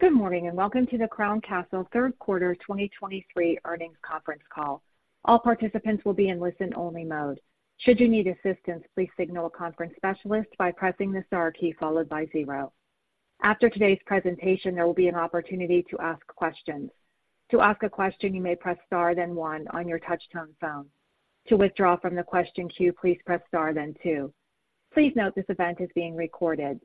Good morning, and welcome to the Crown Castle Q3 2023 earnings conference call. All participants will be in listen-only mode. Should you need assistance, please signal a conference specialist by pressing the star key followed by zero. After today's presentation, there will be an opportunity to ask questions. To ask a question, you may press star, then one on your touchtone phone. To withdraw from the question queue, please press star, then two. Please note, this event is being recorded.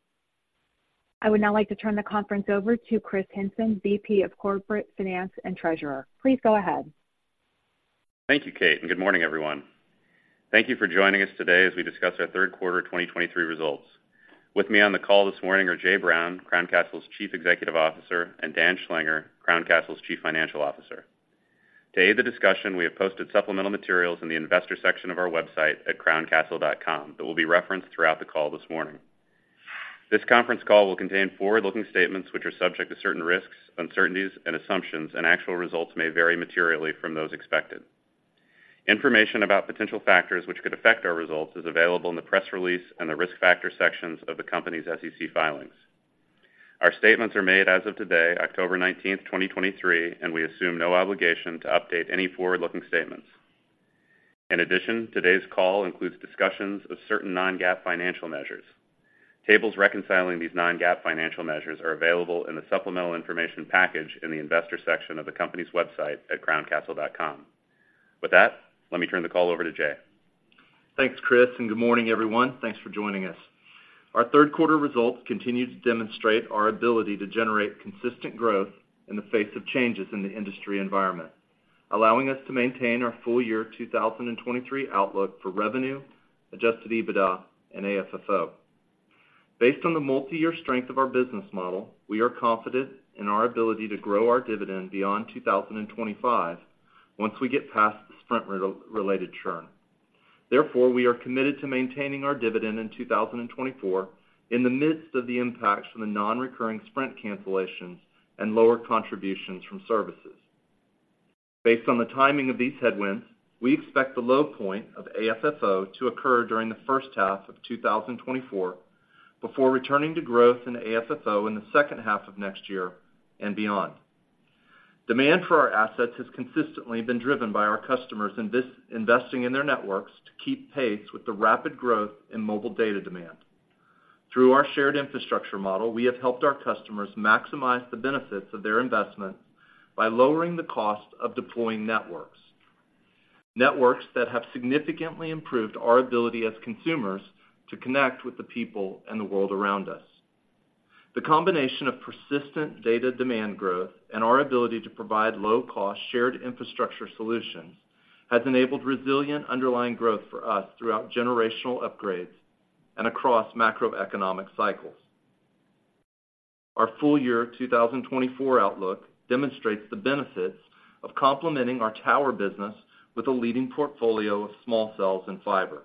I would now like to turn the conference over to Kris Hinson, VP of Corporate Finance and Treasurer. Please go ahead. Thank you, Kate, and good morning, everyone. Thank you for joining us today as we discuss our Q3 2023 results. With me on the call this morning are Jay Brown, Crown Castle's Chief Executive Officer, and Dan Schlanger, Crown Castle's Chief Financial Officer. To aid the discussion, we have posted supplemental materials in the investor section of our website at crowncastle.com that will be referenced throughout the call this morning. This conference call will contain forward-looking statements, which are subject to certain risks, uncertainties, and assumptions, and actual results may vary materially from those expected. Information about potential factors which could affect our results is available in the press release and the risk factor sections of the company's SEC filings. Our statements are made as of today, October 19, 2023, and we assume no obligation to update any forward-looking statements. In addition, today's call includes discussions of certain non-GAAP financial measures. Tables reconciling these non-GAAP financial measures are available in the supplemental information package in the Investor section of the company's website at crowncastle.com. With that, let me turn the call over to Jay. Thanks, Kris, and good morning, everyone. Thanks for joining us. Our Q3 results continue to demonstrate our ability to generate consistent growth in the face of changes in the industry environment, allowing us to maintain our full year 2023 outlook for revenue, Adjusted EBITDA, and AFFO. Based on the multiyear strength of our business model, we are confident in our ability to grow our dividend beyond 2025 once we get past the Sprint-related churn. Therefore, we are committed to maintaining our dividend in 2024 in the midst of the impacts from the nonrecurring Sprint cancellations and lower contributions from services. Based on the timing of these headwinds, we expect the low point of AFFO to occur during the first half of 2024, before returning to growth in AFFO in the second half of next year and beyond. Demand for our assets has consistently been driven by our customers investing in their networks to keep pace with the rapid growth in mobile data demand. Through our shared infrastructure model, we have helped our customers maximize the benefits of their investment by lowering the cost of deploying networks, networks that have significantly improved our ability as consumers to connect with the people and the world around us. The combination of persistent data demand growth and our ability to provide low-cost, shared infrastructure solutions has enabled resilient underlying growth for us throughout generational upgrades and across macroeconomic cycles. Our full year 2024 outlook demonstrates the benefits of complementing our tower business with a leading portfolio of small cells and fiber.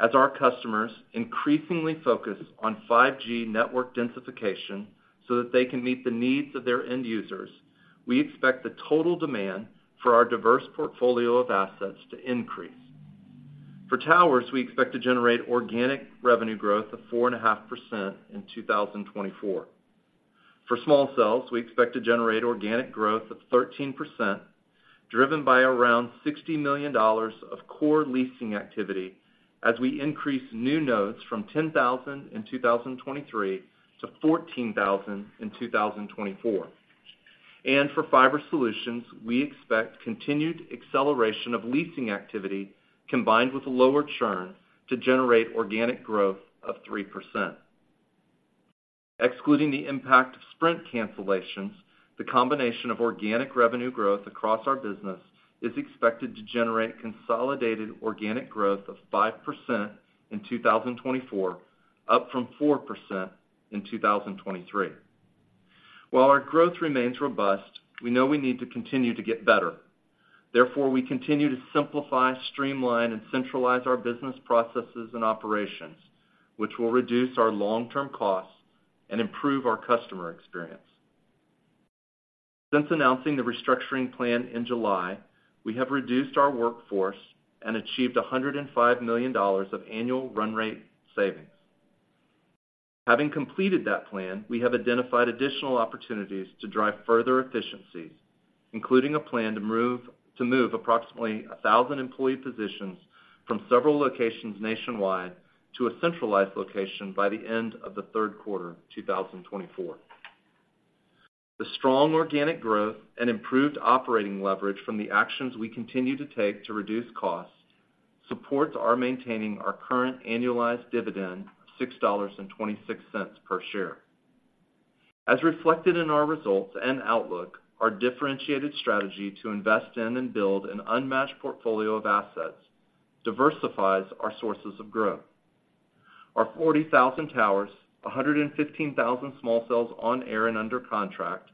As our customers increasingly focus on 5G network densification so that they can meet the needs of their end users, we expect the total demand for our diverse portfolio of assets to increase. For towers, we expect to generate organic revenue growth of 4.5% in 2024. For small cells, we expect to generate organic growth of 13%, driven by around $60 million of core leasing activity as we increase new nodes from 10,000 in 2023 to 14,000 in 2024. And for fiber solutions, we expect continued acceleration of leasing activity, combined with lower churn, to generate organic growth of 3%. Excluding the impact of Sprint cancellations, the combination of organic revenue growth across our business is expected to generate consolidated organic growth of 5% in 2024, up from 4% in 2023. While our growth remains robust, we know we need to continue to get better. Therefore, we continue to simplify, streamline, and centralize our business processes and operations, which will reduce our long-term costs and improve our customer experience. Since announcing the restructuring plan in July, we have reduced our workforce and achieved $105 million of annual run rate savings. Having completed that plan, we have identified additional opportunities to drive further efficiencies, including a plan to move approximately 1,000 employee positions from several locations nationwide to a centralized location by the end of the Q3 2024. The strong organic growth and improved operating leverage from the actions we continue to take to reduce costs supports our maintaining our current annualized dividend of $6.26 per share. As reflected in our results and outlook, our differentiated strategy to invest in and build an unmatched portfolio of assets diversifies our sources of growth. Our 40,000 towers, 115,000 small cells on air and under contract,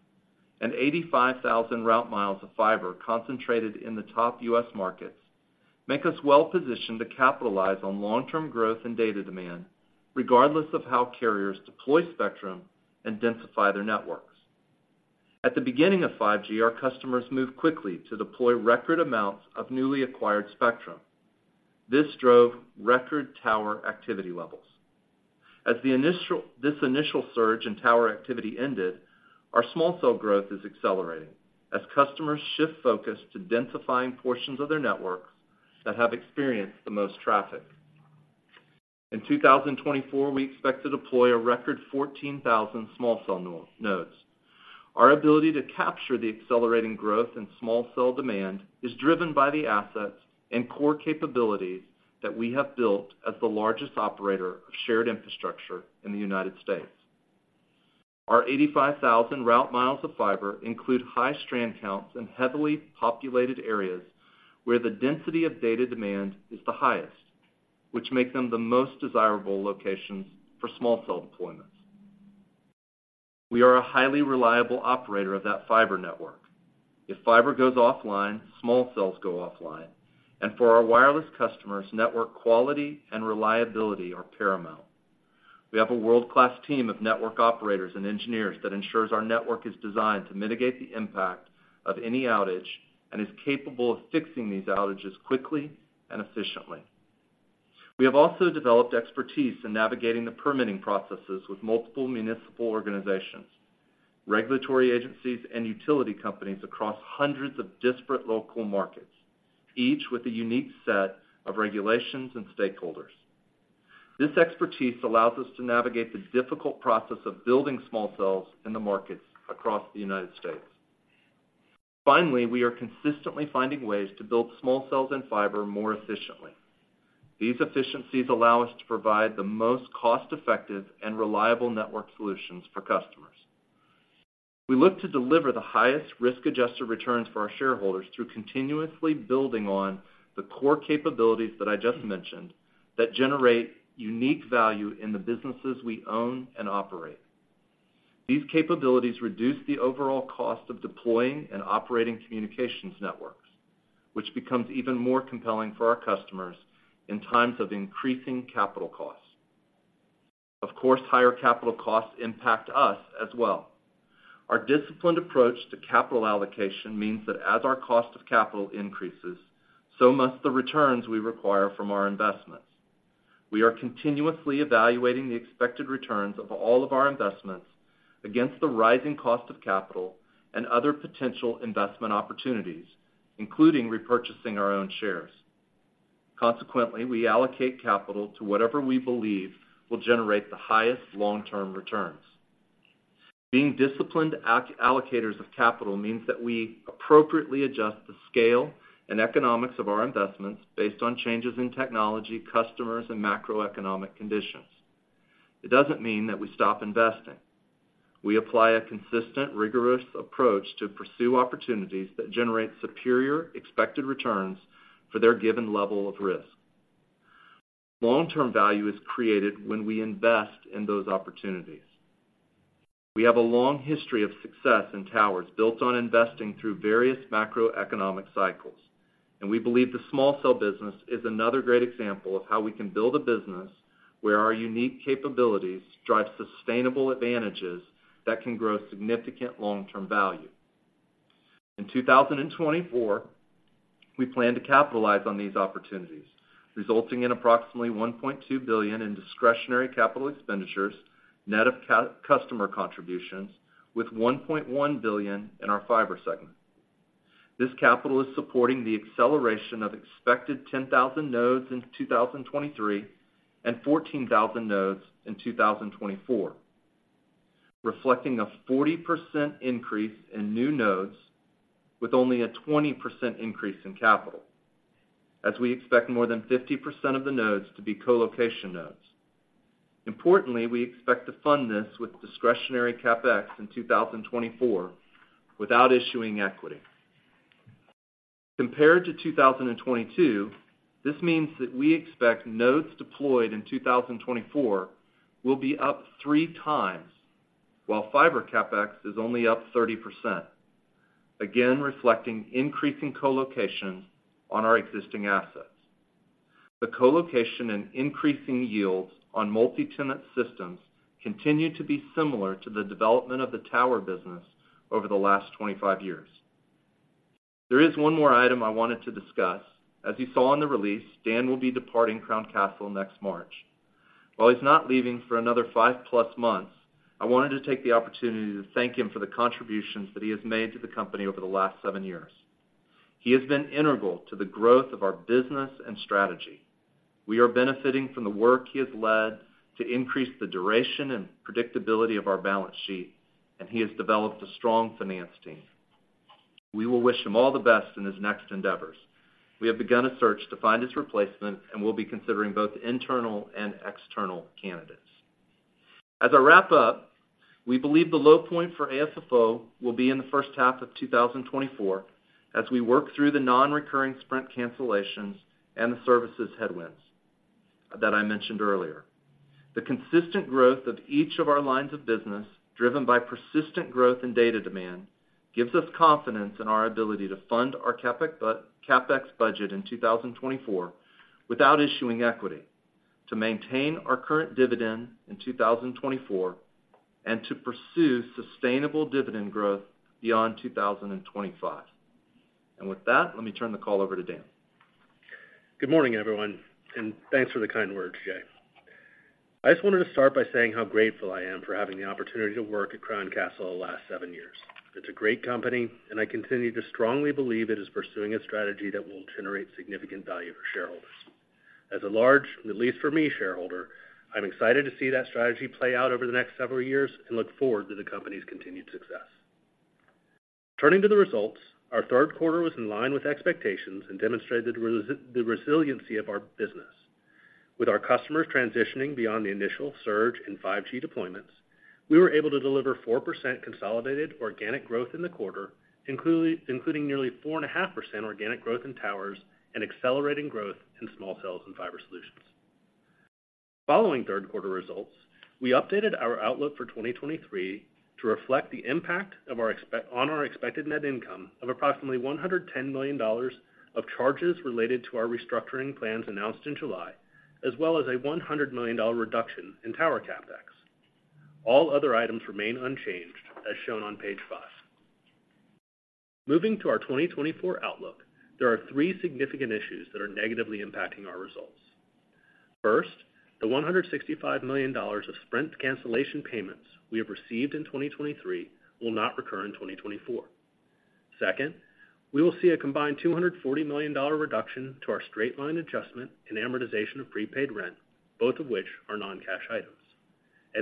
and 85,000 route miles of fiber concentrated in the top U.S. markets, make us well positioned to capitalize on long-term growth and data demand, regardless of how carriers deploy spectrum and densify their networks.... At the beginning of 5G, our customers moved quickly to deploy record amounts of newly acquired spectrum. This drove record tower activity levels. As this initial surge in tower activity ended, our small cell growth is accelerating as customers shift focus to densifying portions of their networks that have experienced the most traffic. In 2024, we expect to deploy a record 14,000 small cell nodes. Our ability to capture the accelerating growth in small cell demand is driven by the assets and core capabilities that we have built as the largest operator of shared infrastructure in the United States. Our 85,000 route miles of fiber include high strand counts in heavily populated areas, where the density of data demand is the highest, which make them the most desirable locations for small cell deployments. We are a highly reliable operator of that fiber network. If fiber goes offline, small cells go offline, and for our wireless customers, network quality and reliability are paramount. We have a world-class team of network operators and engineers that ensures our network is designed to mitigate the impact of any outage, and is capable of fixing these outages quickly and efficiently. We have also developed expertise in navigating the permitting processes with multiple municipal organizations, regulatory agencies, and utility companies across hundreds of disparate local markets, each with a unique set of regulations and stakeholders. This expertise allows us to navigate the difficult process of building small cells in the markets across the United States. Finally, we are consistently finding ways to build small cells and fiber more efficiently. These efficiencies allow us to provide the most cost-effective and reliable network solutions for customers. We look to deliver the highest risk-adjusted returns for our shareholders through continuously building on the core capabilities that I just mentioned, that generate unique value in the businesses we own and operate. These capabilities reduce the overall cost of deploying and operating communications networks, which becomes even more compelling for our customers in times of increasing capital costs. Of course, higher capital costs impact us as well. Our disciplined approach to capital allocation means that as our cost of capital increases, so must the returns we require from our investments. We are continuously evaluating the expected returns of all of our investments against the rising cost of capital and other potential investment opportunities, including repurchasing our own shares. Consequently, we allocate capital to whatever we believe will generate the highest long-term returns. Being disciplined allocators of capital means that we appropriately adjust the scale and economics of our investments based on changes in technology, customers, and macroeconomic conditions. It doesn't mean that we stop investing. We apply a consistent, rigorous approach to pursue opportunities that generate superior expected returns for their given level of risk. Long-term value is created when we invest in those opportunities. We have a long history of success in towers, built on investing through various macroeconomic cycles, and we believe the small cell business is another great example of how we can build a business where our unique capabilities drive sustainable advantages that can grow significant long-term value. In 2024, we plan to capitalize on these opportunities, resulting in approximately $1.2 billion in discretionary capital expenditures, net of customer contributions, with $1.1 billion in our fiber segment. This capital is supporting the acceleration of expected 10,000 nodes in 2023, and 14,000 nodes in 2024, reflecting a 40% increase in new nodes with only a 20% increase in capital, as we expect more than 50% of the nodes to be colocation nodes. Importantly, we expect to fund this with discretionary CapEx in 2024 without issuing equity. Compared to 2022, this means that we expect nodes deployed in 2024 will be up 3 times, while fiber CapEx is only up 30%, again, reflecting increasing colocation on our existing assets. The colocation and increasing yields on multi-tenant systems continue to be similar to the development of the tower business over the last 25 years. There is one more item I wanted to discuss. As you saw in the release, Dan will be departing Crown Castle next March. While he's not leaving for another 5-plus months, I wanted to take the opportunity to thank him for the contributions that he has made to the company over the last 7 years. He has been integral to the growth of our business and strategy. We are benefiting from the work he has led to increase the duration and predictability of our balance sheet, and he has developed a strong finance team. We will wish him all the best in his next endeavors. We have begun a search to find his replacement, and we'll be considering both internal and external candidates. As I wrap up, we believe the low point for AFFO will be in the first half of 2024, as we work through the non-recurring Sprint cancellations and the services headwinds that I mentioned earlier. The consistent growth of each of our lines of business, driven by persistent growth and data demand, gives us confidence in our ability to fund our CapEx budget in 2024 without issuing equity to maintain our current dividend in 2024, and to pursue sustainable dividend growth beyond 2025. And with that, let me turn the call over to Dan. Good morning, everyone, and thanks for the kind words, Jay. I just wanted to start by saying how grateful I am for having the opportunity to work at Crown Castle the last seven years. It's a great company, and I continue to strongly believe it is pursuing a strategy that will generate significant value for shareholders. As a large, at least for me, shareholder, I'm excited to see that strategy play out over the next several years and look forward to the company's continued success. Turning to the results, our Q3 was in line with expectations and demonstrated the resiliency of our business. With our customers transitioning beyond the initial surge in 5G deployments, we were able to deliver 4% consolidated organic growth in the quarter, including nearly 4.5% organic growth in towers and accelerating growth in small cells and fiber solutions. Following Q3 results, we updated our outlook for 2023 to reflect the impact on our expected net income of approximately $110 million of charges related to our restructuring plans announced in July, as well as a $100 million reduction in tower CapEx. All other items remain unchanged, as shown on page 5. Moving to our 2024 outlook, there are three significant issues that are negatively impacting our results. First, the $165 million of Sprint cancellation payments we have received in 2023, will not recur in 2024. Second, we will see a combined $240 million reduction to our straight-line adjustment and amortization of prepaid rent, both of which are non-cash items.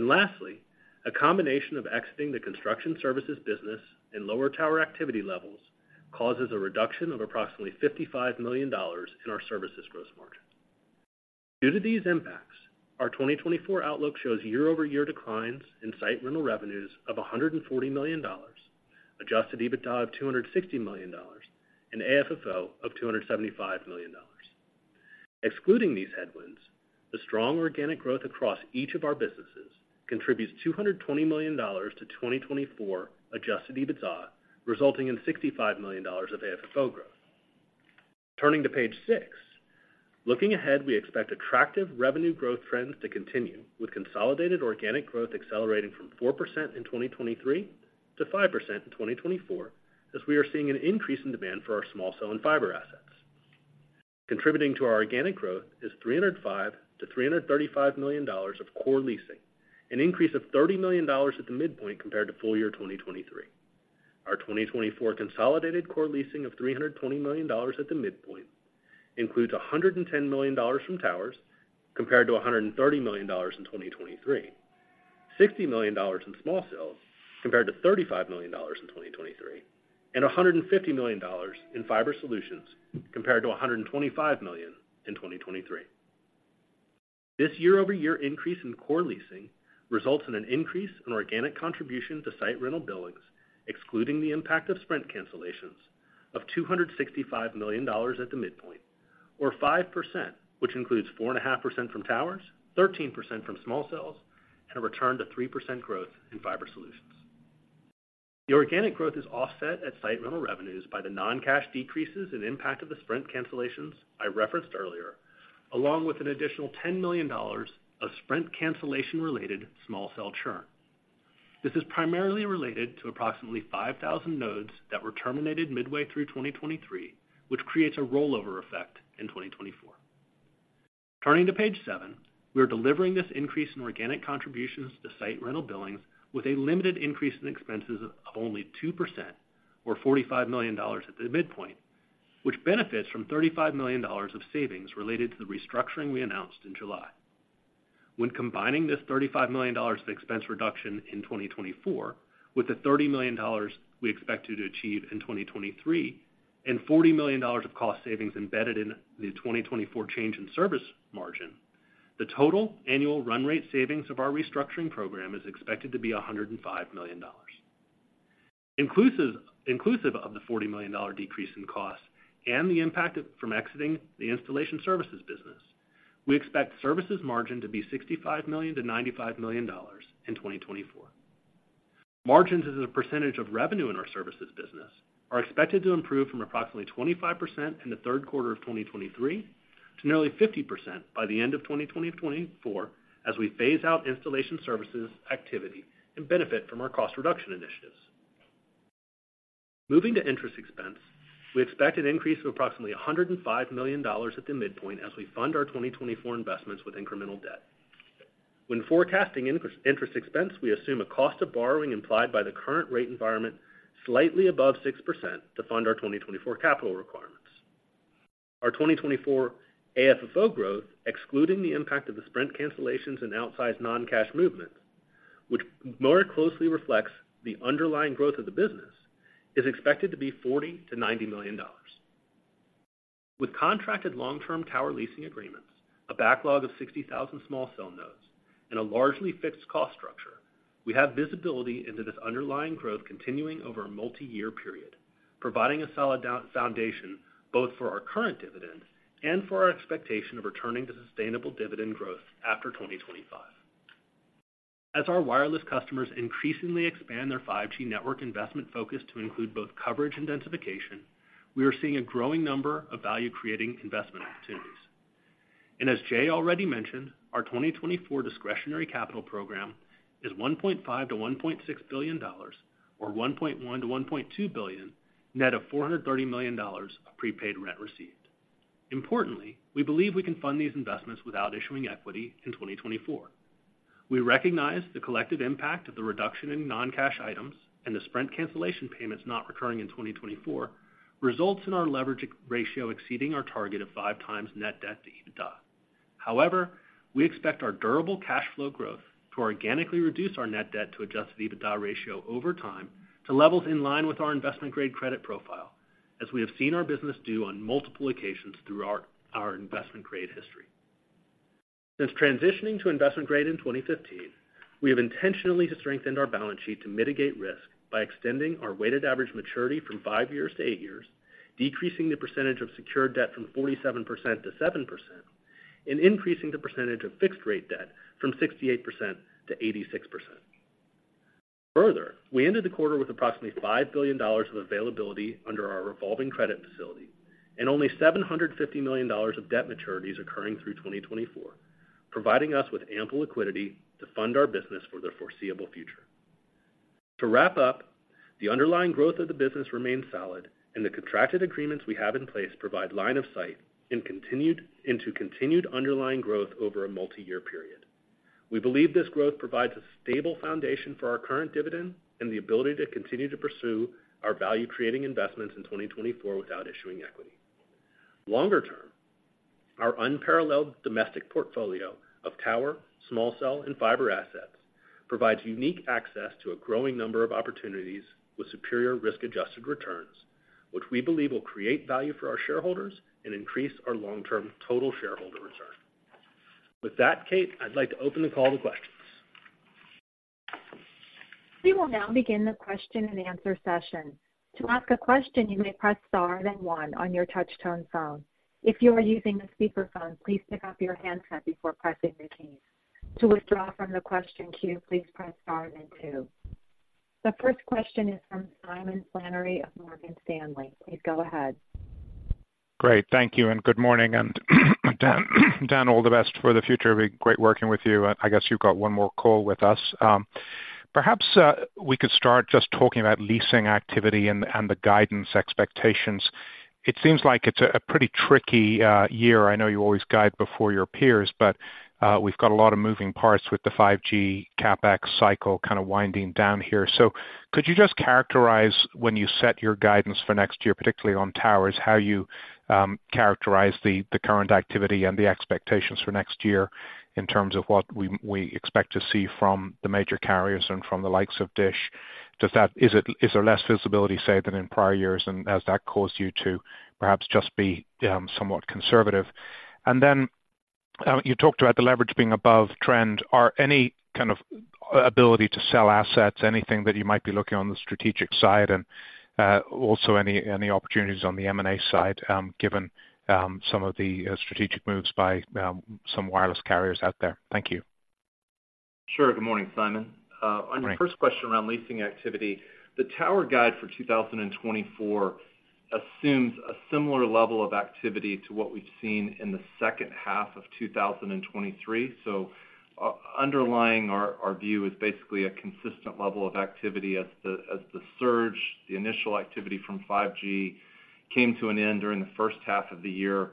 Lastly, a combination of exiting the construction services business and lower tower activity levels causes a reduction of approximately $55 million in our services gross margin. Due to these impacts, our 2024 outlook shows year-over-year declines in site rental revenues of $140 million, Adjusted EBITDA of $260 million, and AFFO of $275 million. Excluding these headwinds, the strong organic growth across each of our businesses contributes $220 million to 2024 Adjusted EBITDA, resulting in $65 million of AFFO growth. Turning to page six. Looking ahead, we expect attractive revenue growth trends to continue, with consolidated organic growth accelerating from 4% in 2023 to 5% in 2024, as we are seeing an increase in demand for our small cell and fiber assets. Contributing to our organic growth is $305 million-$335 million of core leasing, an increase of $30 million at the midpoint compared to full year 2023. Our 2024 consolidated core leasing of $320 million at the midpoint includes $110 million from towers, compared to $130 million in 2023, $60 million in small cells, compared to $35 million in 2023, and $150 million in fiber solutions, compared to $125 million in 2023. This year-over-year increase in core leasing results in an increase in organic contribution to site rental billings, excluding the impact of Sprint cancellations, of $265 million at the midpoint, or 5%, which includes 4.5% from towers, 13% from small cells, and a return to 3% growth in fiber solutions. The organic growth is offset at site rental revenues by the non-cash decreases and impact of the Sprint cancellations I referenced earlier, along with an additional $10 million of Sprint cancellation-related small cell churn. This is primarily related to approximately 5,000 nodes that were terminated midway through 2023, which creates a rollover effect in 2024. Turning to page seven, we are delivering this increase in organic contributions to site rental billings with a limited increase in expenses of only 2%, or $45 million at the midpoint, which benefits from $35 million of savings related to the restructuring we announced in July. When combining this $35 million of expense reduction in 2024 with the $30 million we expected to achieve in 2023, and $40 million of cost savings embedded in the 2024 change in service margin, the total annual run rate savings of our restructuring program is expected to be $105 million. Inclusive of the $40 million decrease in costs and the impact from exiting the installation services business, we expect services margin to be $65 million-$95 million in 2024. Margins as a percentage of revenue in our services business are expected to improve from approximately 25% in the Q3 of 2023 to nearly 50% by the end of 2024, as we phase out installation services activity and benefit from our cost reduction initiatives. Moving to interest expense, we expect an increase of approximately $105 million at the midpoint as we fund our 2024 investments with incremental debt. When forecasting interest expense, we assume a cost of borrowing implied by the current rate environment slightly above 6% to fund our 2024 capital requirements. Our 2024 AFFO growth, excluding the impact of the Sprint cancellations and outsized non-cash movements, which more closely reflects the underlying growth of the business, is expected to be $40 million-$90 million. With contracted long-term tower leasing agreements, a backlog of 60,000 small cell nodes, and a largely fixed cost structure, we have visibility into this underlying growth continuing over a multiyear period, providing a solid sound foundation, both for our current dividends and for our expectation of returning to sustainable dividend growth after 2025. ...As our wireless customers increasingly expand their 5G network investment focus to include both coverage and densification, we are seeing a growing number of value-creating investment opportunities. As Jay already mentioned, our 2024 discretionary capital program is $1.5 billion-$1.6 billion, or $1.1 billion-$1.2 billion, net of $430 million of prepaid rent received. Importantly, we believe we can fund these investments without issuing equity in 2024. We recognize the collective impact of the reduction in non-cash items and the Sprint cancellation payments not recurring in 2024, results in our leverage ratio exceeding our target of five times net debt to EBITDA. However, we expect our durable cash flow growth to organically reduce our net debt to Adjusted EBITDA ratio over time to levels in line with our Investment Grade credit profile, as we have seen our business do on multiple occasions throughout our Investment Grade history. Since transitioning to Investment Grade in 2015, we have intentionally strengthened our balance sheet to mitigate risk by extending our weighted average maturity from 5 years to 8 years, decreasing the percentage of secured debt from 47% to 7%, and increasing the percentage of fixed-rate debt from 68% to 86%. Further, we ended the quarter with approximately $5 billion of availability under our revolving credit facility and only $750 million of debt maturities occurring through 2024, providing us with ample liquidity to fund our business for the foreseeable future. To wrap up, the underlying growth of the business remains solid, and the contracted agreements we have in place provide line of sight into continued underlying growth over a multiyear period. We believe this growth provides a stable foundation for our current dividend and the ability to continue to pursue our value-creating investments in 2024 without issuing equity. Longer term, our unparalleled domestic portfolio of tower, small cell, and fiber assets provides unique access to a growing number of opportunities with superior risk-adjusted returns, which we believe will create value for our shareholders and increase our long-term total shareholder return. With that, Kate, I'd like to open the call to questions. We will now begin the question-and-answer session. To ask a question, you may press Star, then One on your touchtone phone. If you are using a speakerphone, please pick up your handset before pressing your keys. To withdraw from the question queue, please press Star, then Two. The first question is from Simon Flannery of Morgan Stanley. Please go ahead. Great. Thank you, and good morning, and Dan, all the best for the future. It'd be great working with you. I guess you've got one more call with us. Perhaps we could start just talking about leasing activity and the guidance expectations. It seems like it's a pretty tricky year. I know you always guide before your peers, but we've got a lot of moving parts with the 5G CapEx cycle kind of winding down here. So could you just characterize when you set your guidance for next year, particularly on towers, how you characterize the current activity and the expectations for next year in terms of what we expect to see from the major carriers and from the likes of Dish? Is there less visibility, say, than in prior years, and has that caused you to perhaps just be somewhat conservative? And then, you talked about the leverage being above trend. Are any kind of ability to sell assets, anything that you might be looking on the strategic side and also any opportunities on the M&A side, given some of the strategic moves by some wireless carriers out there? Thank you. Sure. Good morning, Simon. Hi. On your first question around leasing activity, the tower guide for 2024 assumes a similar level of activity to what we've seen in the second half of 2023. So underlying our view is basically a consistent level of activity as the surge, the initial activity from 5G, came to an end during the first half of the year.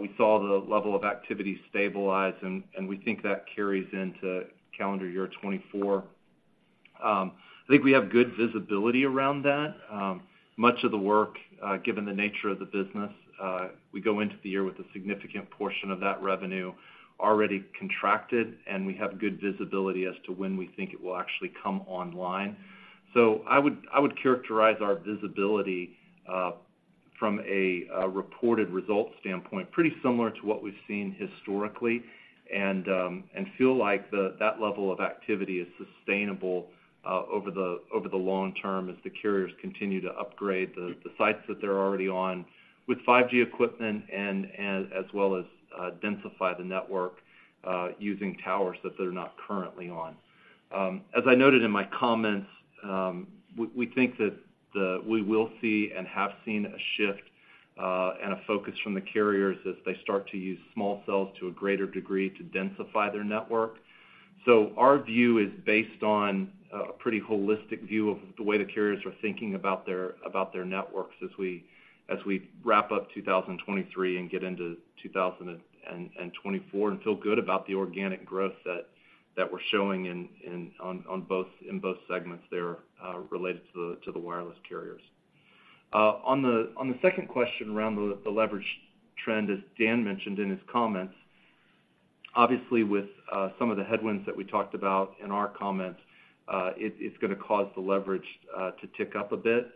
We saw the level of activity stabilize, and we think that carries into calendar year 2024. I think we have good visibility around that. Much of the work, given the nature of the business, we go into the year with a significant portion of that revenue already contracted, and we have good visibility as to when we think it will actually come online. So I would characterize our visibility from a reported result standpoint pretty similar to what we've seen historically, and feel like that level of activity is sustainable over the long term as the carriers continue to upgrade the sites that they're already on with 5G equipment and as well as densify the network using towers that they're not currently on. As I noted in my comments, we think that we will see and have seen a shift and a focus from the carriers as they start to use small cells to a greater degree to densify their network. So our view is based on a pretty holistic view of the way the carriers are thinking about their networks as we wrap up 2023 and get into 2024, and feel good about the organic growth that we're showing in both segments there related to the wireless carriers. On the second question around the leverage trend, as Dan mentioned in his comments, obviously, with some of the headwinds that we talked about in our comments, it's gonna cause the leverage to tick up a bit.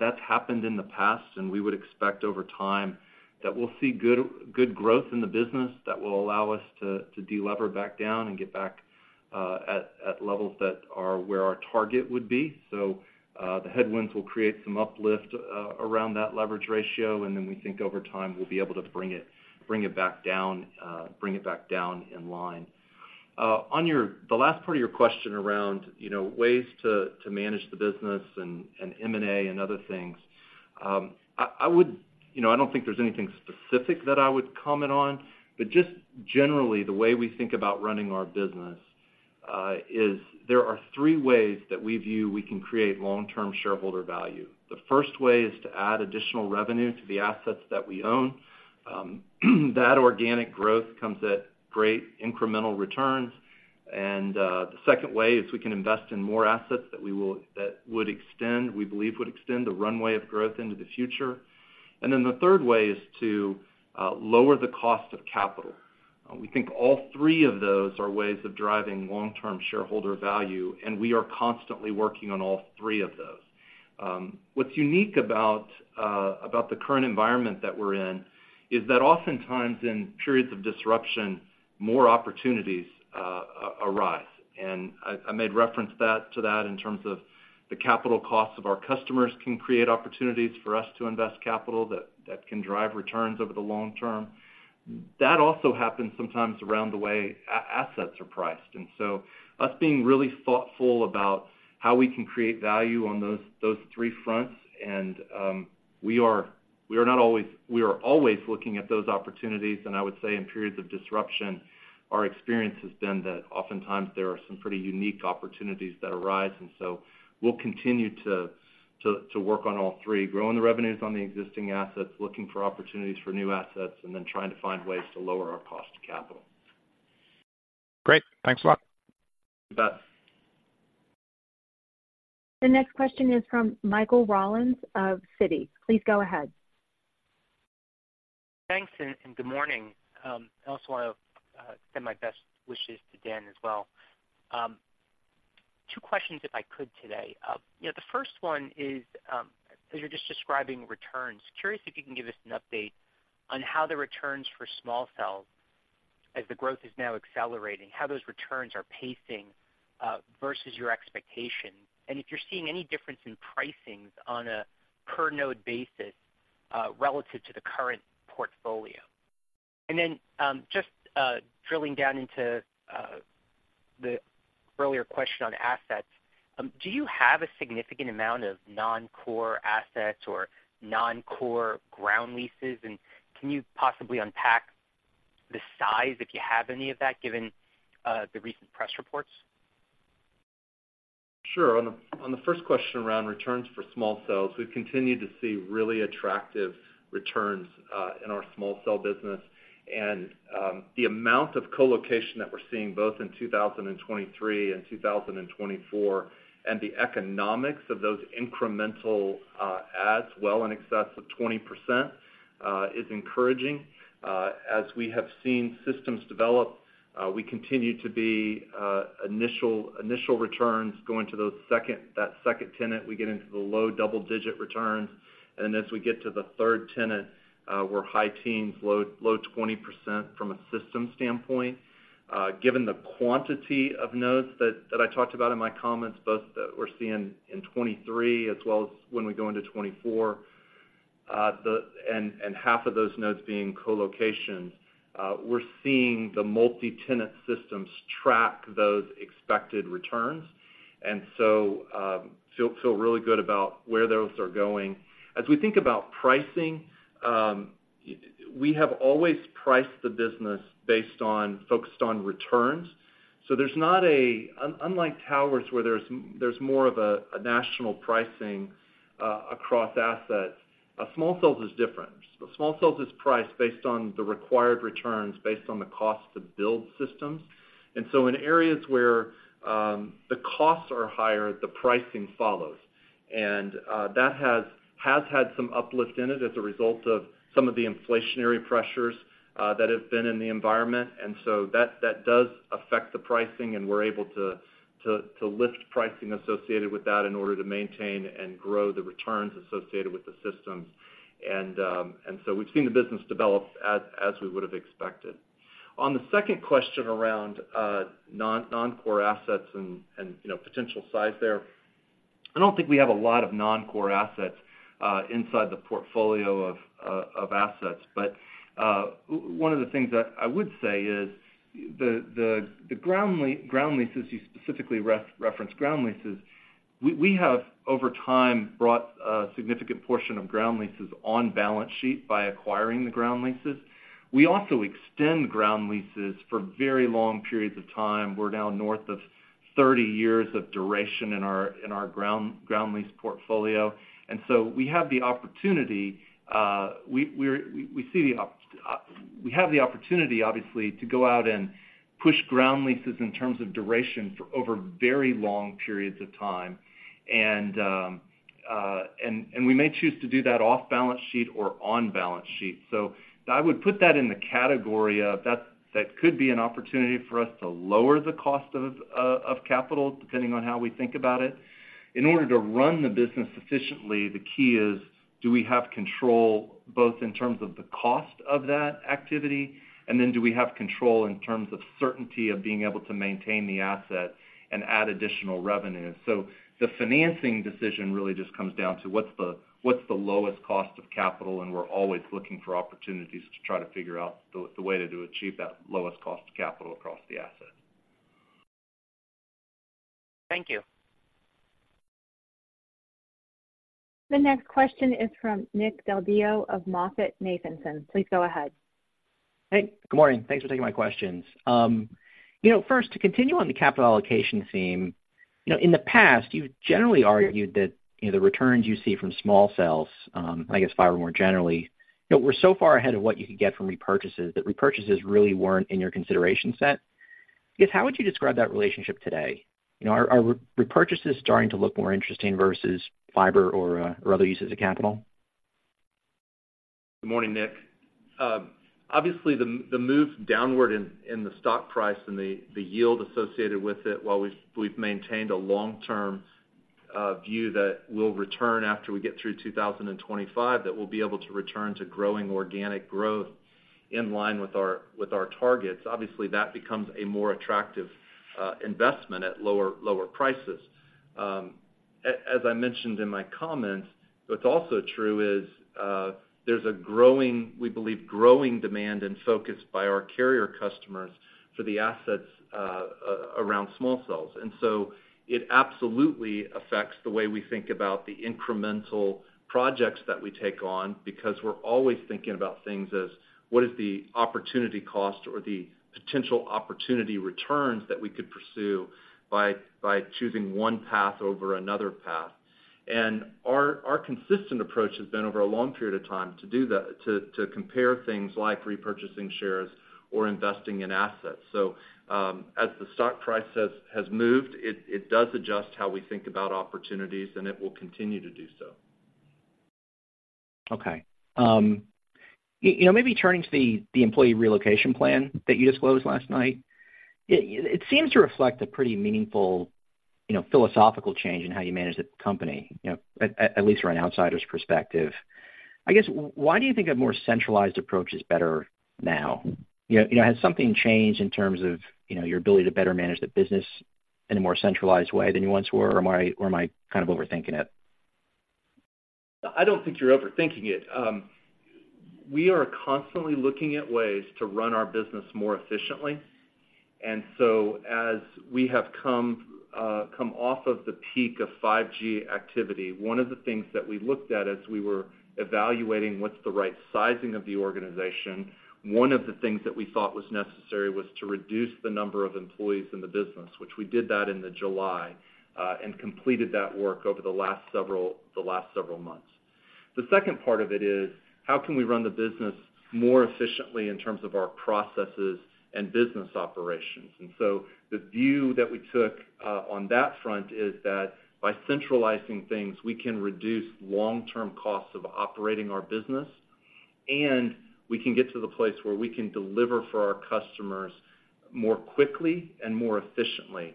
That's happened in the past, and we would expect over time that we'll see good growth in the business that will allow us to delever back down and get back at levels that are where our target would be. So, the headwinds will create some uplift around that leverage ratio, and then we think over time, we'll be able to bring it back down in line. On the last part of your question around, you know, ways to manage the business and M&A and other things. I would, you know, I don't think there's anything specific that I would comment on, but just generally, the way we think about running our business is there are three ways that we view we can create long-term shareholder value. The first way is to add additional revenue to the assets that we own. That organic growth comes at great incremental returns. The second way is we can invest in more assets that would extend, we believe, the runway of growth into the future. Then the third way is to lower the cost of capital. We think all three of those are ways of driving long-term shareholder value, and we are constantly working on all three of those. What's unique about the current environment that we're in is that oftentimes in periods of disruption, more opportunities arise, and I made reference to that in terms of the capital costs of our customers can create opportunities for us to invest capital that can drive returns over the long term. That also happens sometimes around the way assets are priced. And so us being really thoughtful about how we can create value on those three fronts, and we are always looking at those opportunities, and I would say in periods of disruption, our experience has been that oftentimes there are some pretty unique opportunities that arise, and so we'll continue to work on all three, growing the revenues on the existing assets, looking for opportunities for new assets, and then trying to find ways to lower our cost of capital. Great. Thanks a lot. You bet. The next question is from Michael Rollins of Citi. Please go ahead. Thanks, and good morning. I also want to send my best wishes to Dan as well. Two questions, if I could, today. You know, the first one is, as you're just describing returns, curious if you can give us an update on how the returns for small cells, as the growth is now accelerating, how those returns are pacing, versus your expectations, and if you're seeing any difference in pricing on a per node basis, relative to the current portfolio? And then, just, drilling down into, the earlier question on assets, do you have a significant amount of non-core assets or non-core ground leases, and can you possibly unpack the size, if you have any of that, given, the recent press reports? Sure. On the first question around returns for small cells, we've continued to see really attractive returns in our small cell business. And the amount of colocation that we're seeing, both in 2023 and 2024, and the economics of those incremental adds well in excess of 20% is encouraging. As we have seen systems develop, we continue to be initial returns going to those second, that second tenant, we get into the low double-digit returns, and then as we get to the third tenant, we're high teens, low 20% from a system standpoint. Given the quantity of nodes that I talked about in my comments, both that we're seeing in 2023 as well as when we go into 2024, the... And half of those nodes being colocations, we're seeing the multi-tenant systems track those expected returns, and so feel really good about where those are going. As we think about pricing, we have always priced the business based on, focused on returns. So there's not a unlike towers, where there's more of a national pricing across assets, small cells is different. Small cells is priced based on the required returns, based on the cost to build systems. And that has had some uplift in it as a result of some of the inflationary pressures that have been in the environment. So that does affect the pricing, and we're able to lift pricing associated with that in order to maintain and grow the returns associated with the systems. So we've seen the business develop as we would have expected. On the second question around non-core assets and, you know, potential size there, I don't think we have a lot of non-core assets inside the portfolio of assets. But one of the things that I would say is the ground leases, you specifically referenced ground leases, we have, over time, brought a significant portion of ground leases on balance sheet by acquiring the ground leases. We also extend ground leases for very long periods of time. We're now north of 30 years of duration in our ground lease portfolio, and so we have the opportunity, obviously, to go out and push ground leases in terms of duration for over very long periods of time. And we may choose to do that off balance sheet or on balance sheet. So I would put that in the category of that could be an opportunity for us to lower the cost of capital, depending on how we think about it. In order to run the business efficiently, the key is, do we have control, both in terms of the cost of that activity, and then do we have control in terms of certainty of being able to maintain the asset and add additional revenue? So the financing decision really just comes down to what's the lowest cost of capital, and we're always looking for opportunities to try to figure out the way to achieve that lowest cost of capital across the asset. Thank you. The next question is from Nick Del Deo of MoffettNathanson. Please go ahead. Hey, good morning. Thanks for taking my questions. You know, first, to continue on the capital allocation theme, you know, in the past, you've generally argued that, you know, the returns you see from small cells, I guess fiber more generally, you know, were so far ahead of what you could get from repurchases, that repurchases really weren't in your consideration set. I guess, how would you describe that relationship today? You know, are repurchases starting to look more interesting versus fiber or, or other uses of capital? Good morning, Nick. Obviously, the move downward in the stock price and the yield associated with it, while we've maintained a long-term view that we'll return after we get through 2025, that we'll be able to return to growing organic growth in line with our targets. Obviously, that becomes a more attractive investment at lower prices. As I mentioned in my comments, what's also true is there's a growing, we believe, growing demand and focus by our carrier customers for the assets around small cells. And so it absolutely affects the way we think about the incremental projects that we take on, because we're always thinking about things as, what is the opportunity cost or the potential opportunity returns that we could pursue by choosing one path over another path? And our consistent approach has been, over a long period of time, to do that, to compare things like repurchasing shares or investing in assets. So, as the stock price has moved, it does adjust how we think about opportunities, and it will continue to do so. Okay. You know, maybe turning to the employee relocation plan that you disclosed last night. It seems to reflect a pretty meaningful, you know, philosophical change in how you manage the company, you know, at least from an outsider's perspective. I guess, why do you think a more centralized approach is better now? You know, you know, has something changed in terms of, you know, your ability to better manage the business in a more centralized way than you once were, or am I kind of overthinking it? I don't think you're overthinking it. We are constantly looking at ways to run our business more efficiently. And so as we have come off of the peak of 5G activity, one of the things that we looked at as we were evaluating what's the right sizing of the organization, one of the things that we thought was necessary was to reduce the number of employees in the business, which we did that in the July, and completed that work over the last several months. The second part of it is, how can we run the business more efficiently in terms of our processes and business operations? And so the view that we took on that front is that by centralizing things, we can reduce long-term costs of operating our business, and we can get to the place where we can deliver for our customers more quickly and more efficiently.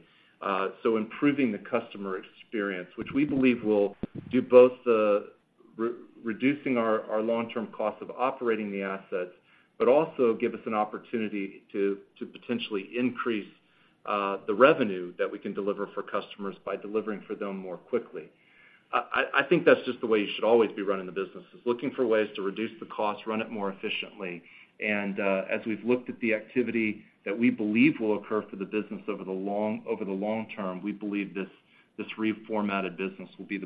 So improving the customer experience, which we believe will do both the reducing our long-term costs of operating the assets, but also give us an opportunity to potentially increase the revenue that we can deliver for customers by delivering for them more quickly. I think that's just the way you should always be running the business, is looking for ways to reduce the costs, run it more efficiently. As we've looked at the activity that we believe will occur for the business over the long term, we believe this reformatted business will be the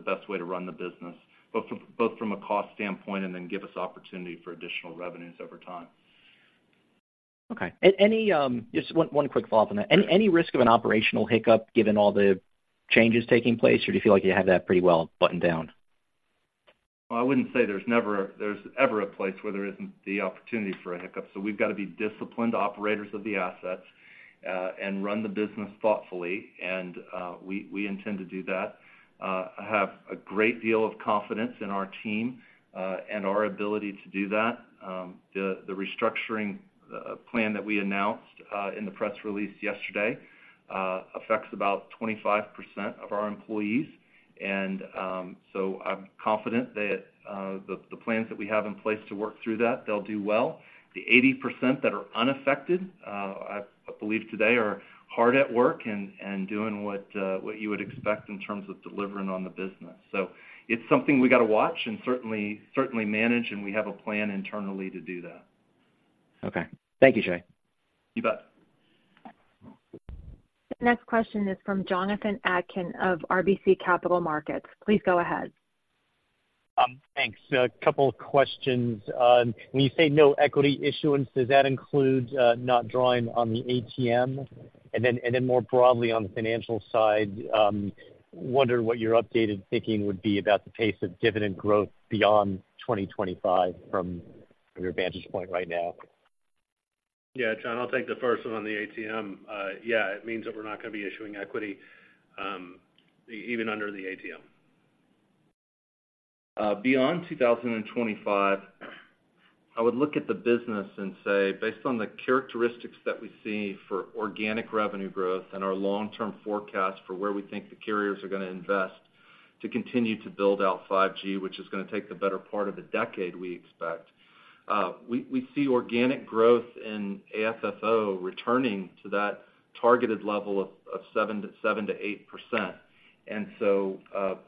best way to run the business, both from a cost standpoint, and then give us opportunity for additional revenues over time. Okay. Any, just one quick follow-up on that. Sure. Any risk of an operational hiccup, given all the changes taking place, or do you feel like you have that pretty well buttoned down? Well, I wouldn't say there's never—there's ever a place where there isn't the opportunity for a hiccup, so we've got to be disciplined operators of the assets, and run the business thoughtfully, and we intend to do that. I have a great deal of confidence in our team, and our ability to do that. The restructuring plan that we announced in the press release yesterday affects about 25% of our employees. I'm confident that the plans that we have in place to work through that, they'll do well. The 80% that are unaffected, I believe today, are hard at work and doing what you would expect in terms of delivering on the business. It's something we got to watch and certainly, certainly manage, and we have a plan internally to do that. Okay. Thank you, Jay. You bet. The next question is from Jonathan Atkin of RBC Capital Markets. Please go ahead. Thanks. A couple of questions. When you say no equity issuance, does that include not drawing on the ATM? And then more broadly, on the financial side, wondering what your updated thinking would be about the pace of dividend growth beyond 2025 from your vantage point right now? Yeah, Jon, I'll take the first one on the ATM. Yeah, it means that we're not going to be issuing equity, even under the ATM. Beyond 2025, I would look at the business and say, based on the characteristics that we see for organic revenue growth and our long-term forecast for where we think the carriers are going to invest to continue to build out 5G, which is going to take the better part of the decade, we expect, we see organic growth in AFFO returning to that targeted level of 7%-8%... and so,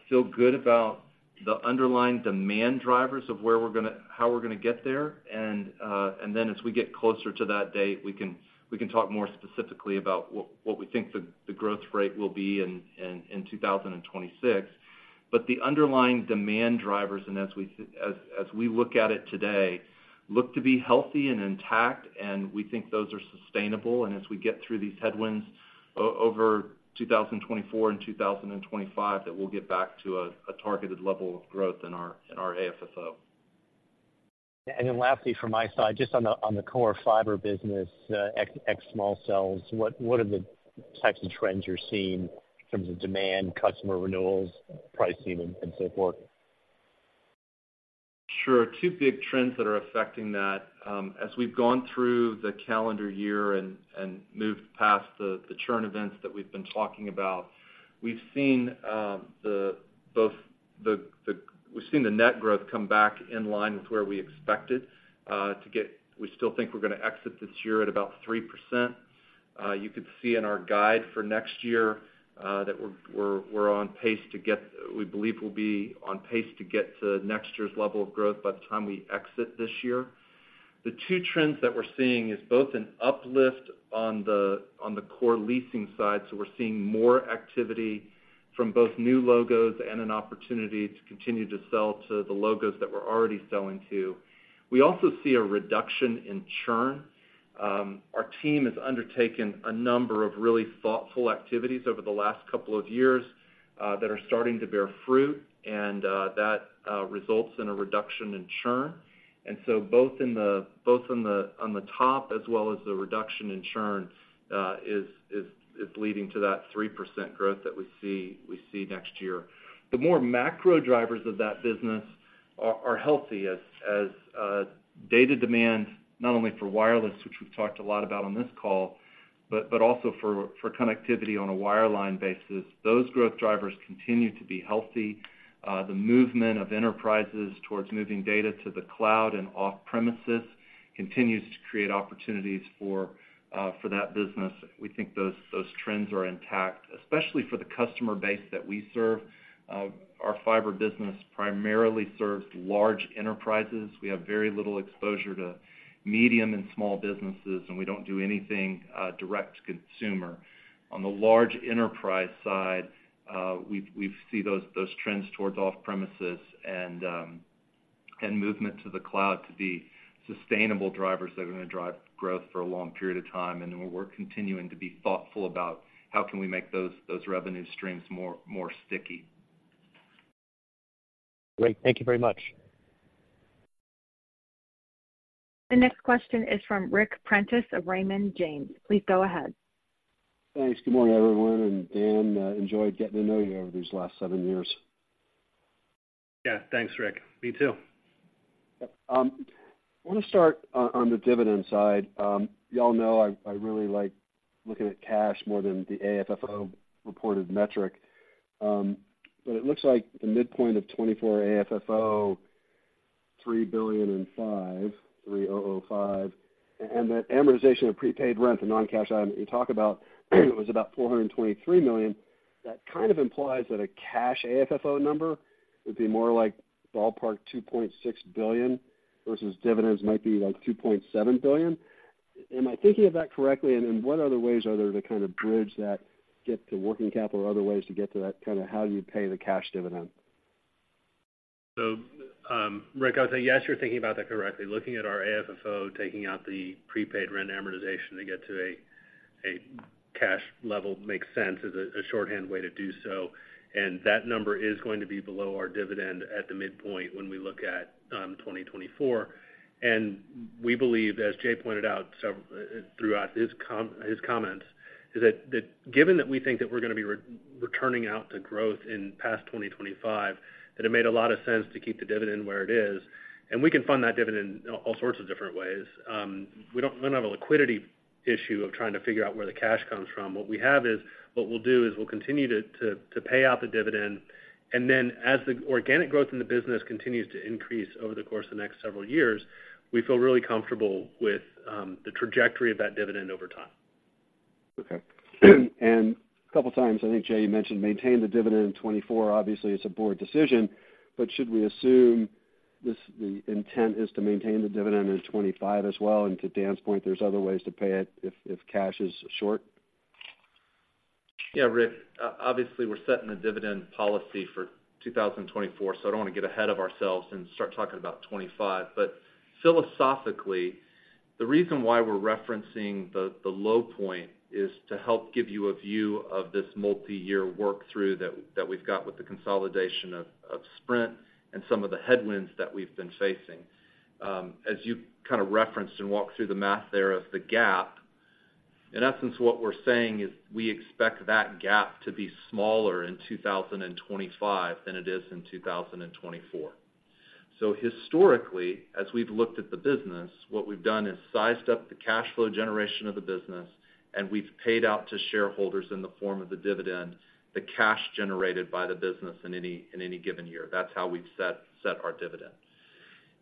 feel good about the underlying demand drivers of where we're gonna, how we're gonna get there. And then as we get closer to that date, we can talk more specifically about what we think the growth rate will be in 2026. But the underlying demand drivers, and as we look at it today, look to be healthy and intact, and we think those are sustainable, and as we get through these headwinds over 2024 and 2025, that we'll get back to a targeted level of growth in our AFFO. And then lastly, from my side, just on the core fiber business, ex small cells, what are the types of trends you're seeing in terms of demand, customer renewals, pricing, and so forth? Sure. Two big trends that are affecting that. As we've gone through the calendar year and moved past the churn events that we've been talking about, we've seen the net growth come back in line with where we expected to get. We still think we're gonna exit this year at about 3%. You could see in our guide for next year that we're on pace to get. We believe we'll be on pace to get to next year's level of growth by the time we exit this year. The two trends that we're seeing is both an uplift on the core leasing side, so we're seeing more activity from both new logos and an opportunity to continue to sell to the logos that we're already selling to. We also see a reduction in churn. Our team has undertaken a number of really thoughtful activities over the last couple of years that are starting to bear fruit, and that results in a reduction in churn. And so both on the top as well as the reduction in churn is leading to that 3% growth that we see next year. The more macro drivers of that business are healthy as data demand, not only for wireless, which we've talked a lot about on this call, but also for connectivity on a wireline basis. Those growth drivers continue to be healthy. The movement of enterprises towards moving data to the cloud and off premises continues to create opportunities for that business. We think those trends are intact, especially for the customer base that we serve. Our fiber business primarily serves large enterprises. We have very little exposure to medium and small businesses, and we don't do anything direct to consumer. On the large enterprise side, we've seen those trends towards off premises and movement to the cloud to be sustainable drivers that are gonna drive growth for a long period of time. We're continuing to be thoughtful about how we can make those revenue streams more sticky. Great. Thank you very much. The next question is from Ric Prentiss of Raymond James. Please go ahead. Thanks. Good morning, everyone, and Dan, enjoyed getting to know you over these last seven years. Yeah, thanks, Ric. Me too. Yep. I want to start on the dividend side. Y'all know, I really like looking at cash more than the AFFO reported metric. But it looks like the midpoint of 2024 AFFO $3.05 billion, and the amortization of prepaid rent, the non-cash item that you talked about, it was about $423 million. That kind of implies that a cash AFFO number would be more like ballpark $2.6 billion, versus dividends might be like $2.7 billion. Am I thinking of that correctly? And then what other ways are there to kind of bridge that gap to working capital or other ways to get to that, kind of how you'd pay the cash dividend? So, Ric, I would say, yes, you're thinking about that correctly. Looking at our AFFO, taking out the prepaid rent amortization to get to a cash level makes sense, is a shorthand way to do so. And that number is going to be below our dividend at the midpoint when we look at 2024. And we believe, as Jay pointed out, several throughout his comments, is that given that we think that we're gonna be returning out to growth past 2025, that it made a lot of sense to keep the dividend where it is. And we can fund that dividend in all sorts of different ways. We don't have a liquidity issue of trying to figure out where the cash comes from. What we have is, what we'll do is we'll continue to pay out the dividend, and then as the organic growth in the business continues to increase over the course of the next several years, we feel really comfortable with the trajectory of that dividend over time. Okay. And a couple times, I think, Jay, you mentioned, maintain the dividend in 2024. Obviously, it's a board decision, but should we assume this, the intent is to maintain the dividend in 2025 as well? And to Dan's point, there's other ways to pay it if, if cash is short. Yeah, Ric, obviously, we're setting a dividend policy for 2024, so I don't want to get ahead of ourselves and start talking about 2025. But philosophically, the reason why we're referencing the low point is to help give you a view of this multiyear work through that we've got with the consolidation of Sprint and some of the headwinds that we've been facing. As you kind of referenced and walked through the math there of the gap, in essence, what we're saying is, we expect that gap to be smaller in 2025 than it is in 2024. So historically, as we've looked at the business, what we've done is sized up the cash flow generation of the business, and we've paid out to shareholders in the form of the dividend, the cash generated by the business in any given year. That's how we've set our dividend...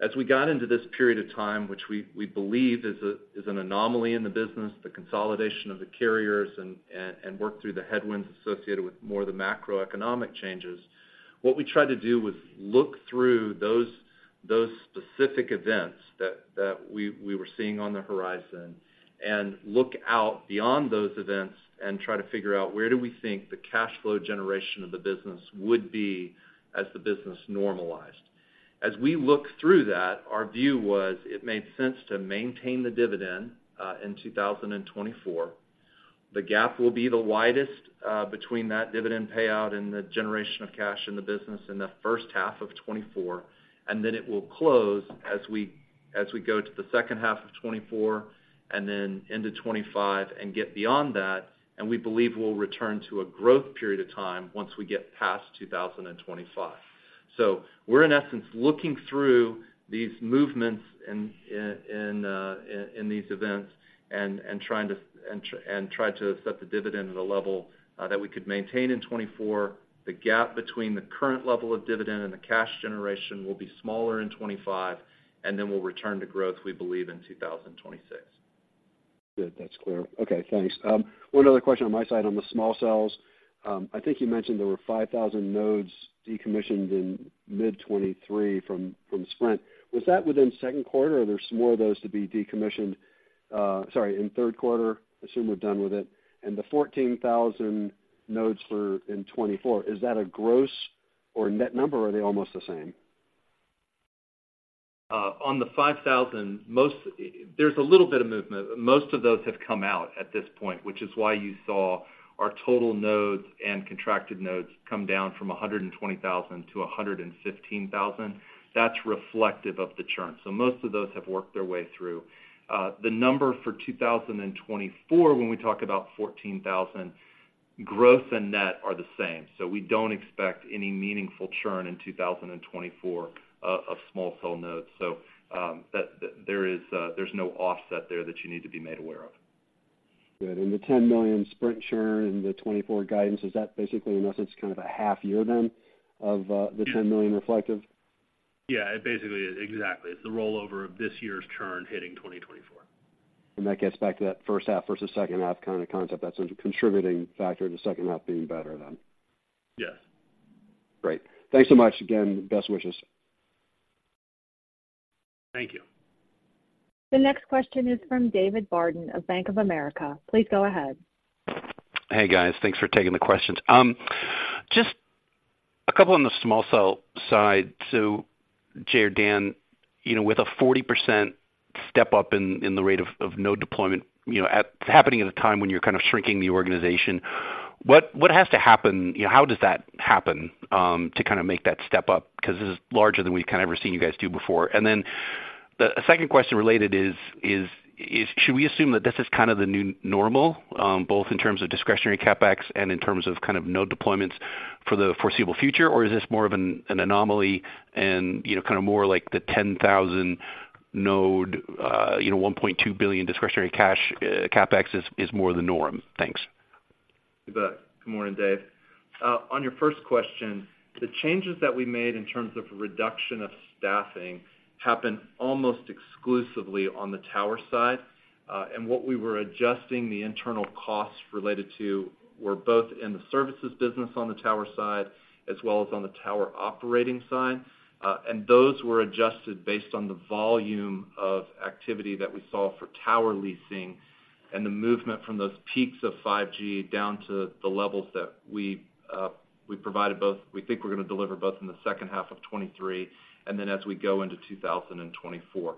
as we got into this period of time, which we believe is an anomaly in the business, the consolidation of the carriers and work through the headwinds associated with more of the macroeconomic changes, what we tried to do was look through those specific events that we were seeing on the horizon and look out beyond those events and try to figure out where do we think the cash flow generation of the business would be as the business normalized. As we look through that, our view was it made sense to maintain the dividend in 2024. The gap will be the widest between that dividend payout and the generation of cash in the business in the first half of 2024, and then it will close as we go to the second half of 2024 and then into 2025 and get beyond that, and we believe we'll return to a growth period of time once we get past 2025. So we're, in essence, looking through these movements in these events and trying to set the dividend at a level that we could maintain in 2024. The gap between the current level of dividend and the cash generation will be smaller in 25, and then we'll return to growth, we believe, in 2026. Good. That's clear. Okay, thanks. One other question on my side. On the small cells, I think you mentioned there were 5,000 nodes decommissioned in mid-2023 from Sprint. Was that within the Q2, or are there some more of those to be decommissioned, sorry, in Q3? Assume we're done with it. And the 14,000 nodes for in 2024, is that a gross or net number, or are they almost the same? On the 5,000, most, there's a little bit of movement. Most of those have come out at this point, which is why you saw our total nodes and contracted nodes come down from 120,000 to 115,000. That's reflective of the churn. So most of those have worked their way through. The number for 2024, when we talk about 14,000, gross and net are the same, so we don't expect any meaningful churn in 2024 of small cell nodes. So, that there is no offset there that you need to be made aware of. Good. And the $10 million Sprint churn and the 2024 guidance, is that basically, in essence, kind of a half year then of the $10 million reflective? Yeah, it basically is. Exactly. It's the rollover of this year's churn hitting 2024. That gets back to that first half versus second half kind of concept. That's a contributing factor to the second half being better than. Yes. Great. Thanks so much again, and best wishes. Thank you. The next question is from David Barden of Bank of America. Please go ahead. Hey, guys. Thanks for taking the questions. Just a couple on the small cell side. So, Jay or Dan, you know, with a 40% step-up in the rate of node deployment, you know, at a time when you're kind of shrinking the organization, what has to happen? You know, how does that happen to kind of make that step up? Because this is larger than we've kind of ever seen you guys do before. A second question related is, should we assume that this is kind of the new normal, both in terms of discretionary CapEx and in terms of kind of node deployments for the foreseeable future, or is this more of an anomaly and, you know, kind of more like the 10,000 node, you know, $1.2 billion discretionary cash CapEx is more the norm? Thanks. You bet. Good morning, Dave. On your first question, the changes that we made in terms of reduction of staffing happened almost exclusively on the tower side, and what we were adjusting the internal costs related to were both in the services business on the tower side, as well as on the tower operating side. And those were adjusted based on the volume of activity that we saw for tower leasing and the movement from those peaks of 5G down to the levels that we provided both—we think we're going to deliver both in the second half of 2023 and then as we go into 2024.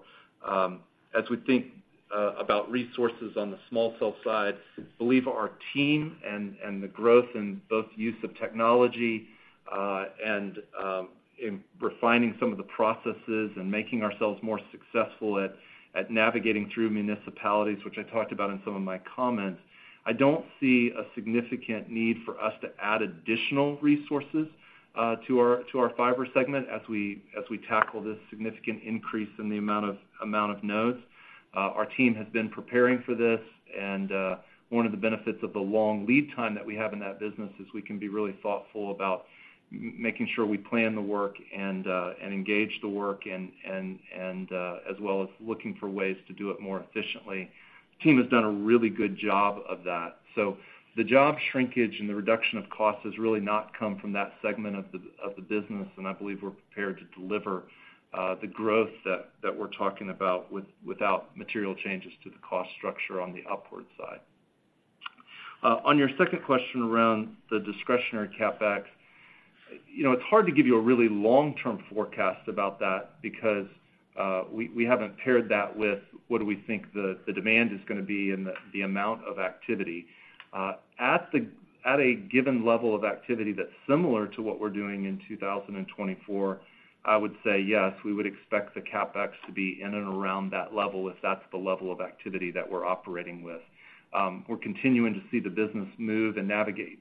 As we think about resources on the small cell side, believe our team and the growth in both use of technology and in refining some of the processes and making ourselves more successful at navigating through municipalities, which I talked about in some of my comments, I don't see a significant need for us to add additional resources to our fiber segment as we tackle this significant increase in the amount of nodes. Our team has been preparing for this, and one of the benefits of the long lead time that we have in that business is we can be really thoughtful about making sure we plan the work and engage the work and as well as looking for ways to do it more efficiently. The team has done a really good job of that. So the job shrinkage and the reduction of costs has really not come from that segment of the business, and I believe we're prepared to deliver the growth that we're talking about without material changes to the cost structure on the upward side. On your second question around the discretionary CapEx, you know, it's hard to give you a really long-term forecast about that because we haven't paired that with what do we think the demand is going to be and the amount of activity. At a given level of activity that's similar to what we're doing in 2024, I would say yes, we would expect the CapEx to be in and around that level, if that's the level of activity that we're operating with. We're continuing to see the business move and navigate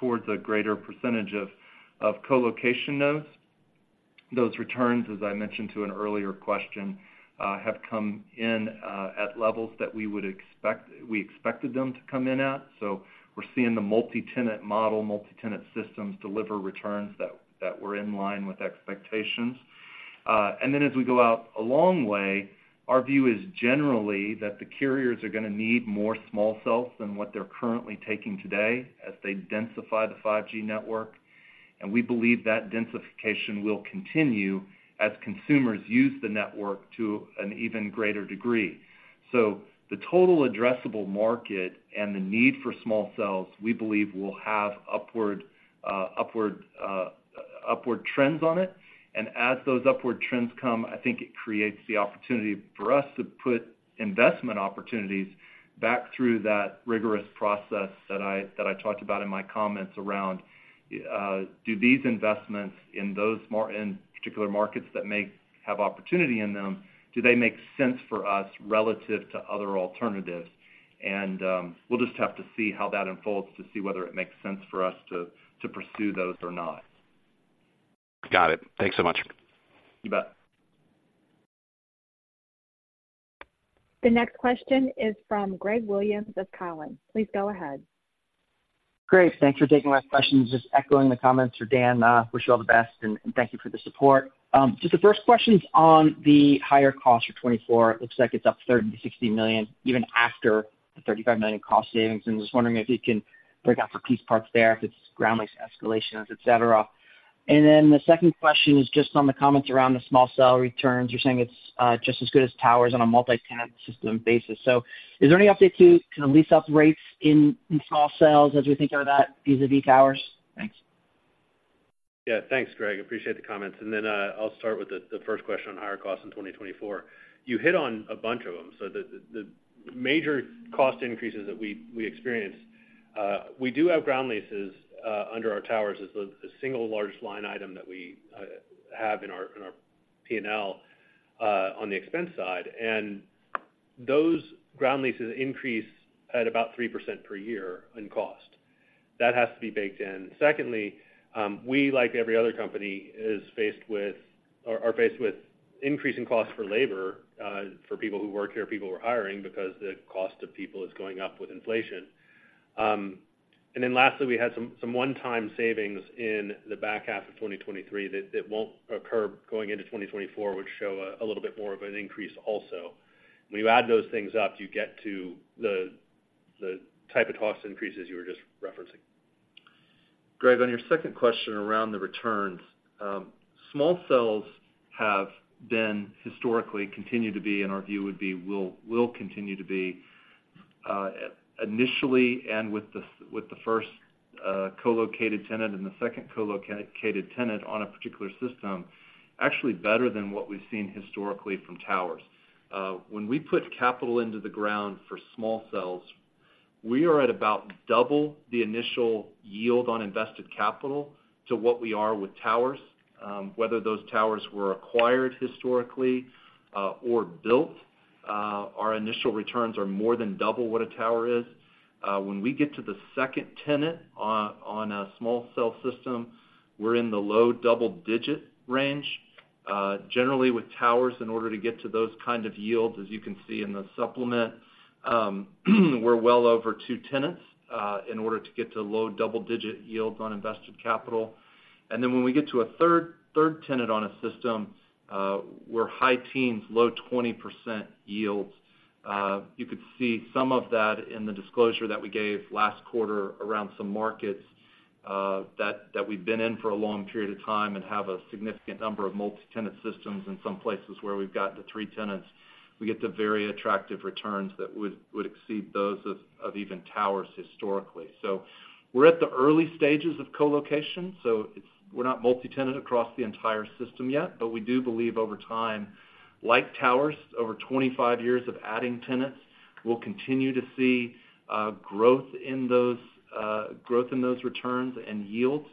towards a greater percentage of colocation nodes. Those returns, as I mentioned to an earlier question, have come in at levels that we would expect, we expected them to come in at. So we're seeing the multi-tenant model, multi-tenant systems deliver returns that were in line with expectations. And then as we go out a long way, our view is generally that the carriers are gonna need more small cells than what they're currently taking today as they densify the 5G network. We believe that densification will continue as consumers use the network to an even greater degree. So the total addressable market and the need for small cells, we believe, will have upward, upward, upward trends on it. And as those upward trends come, I think it creates the opportunity for us to put investment opportunities back through that rigorous process that I, that I talked about in my comments around, do these investments in those in particular markets that may have opportunity in them, do they make sense for us relative to other alternatives? And, we'll just have to see how that unfolds to see whether it makes sense for us to, to pursue those or not. Got it. Thanks so much. You bet. The next question is from Greg Williams of Cowen. Please go ahead. Great, thanks for taking my questions. Just echoing the comments for Dan, wish you all the best, and, and thank you for the support. Just the first question is on the higher cost for 2024. It looks like it's up $30 million-$60 million, even after the $35 million cost savings. And just wondering if you can break out for piece parts there, if it's ground leases, escalations, et cetera. And then the second question is just on the comments around the small cell returns. You're saying it's just as good as towers on a multi-tenant system basis. So is there any update to kind of lease-up rates in small cells as we think about vis-a-vis towers? Thanks. Yeah, thanks, Greg, appreciate the comments. And then, I'll start with the first question on higher costs in 2024. You hit on a bunch of them. So the major cost increases that we experienced, we do have ground leases under our towers as the single largest line item that we have in our P&L on the expense side. And those ground leases increase at about 3% per year in cost. That has to be baked in. Secondly, we, like every other company, is faced with - or are faced with increasing costs for labor for people who work here, people we're hiring, because the cost of people is going up with inflation. And then lastly, we had some one-time savings in the back half of 2023 that won't occur going into 2024, which show a little bit more of an increase also. When you add those things up, you get to the type of cost increases you were just referencing. Greg, on your second question around the returns, small cells have been historically, continue to be, and our view would be, will continue to be, initially, and with the first co-located tenant and the second co-located tenant on a particular system, actually better than what we've seen historically from towers. When we put capital into the ground for small cells, we are at about double the initial yield on invested capital to what we are with towers. Whether those towers were acquired historically, or built, our initial returns are more than double what a tower is. When we get to the second tenant on a small cell system, we're in the low double-digit range. Generally with towers, in order to get to those kind of yields, as you can see in the supplement, we're well over 2 tenants, in order to get to low double-digit yields on invested capital. And then when we get to a third tenant on a system, we're high teens, low 20% yields. You could see some of that in the disclosure that we gave last quarter around some markets, that we've been in for a long period of time and have a significant number of multi-tenant systems in some places where we've got the 3 tenants. We get to very attractive returns that would exceed those of even towers historically. So we're at the early stages of colocation, so it's we're not multi-tenant across the entire system yet, but we do believe over time, like towers, over 25 years of adding tenants, we'll continue to see growth in those returns and yields.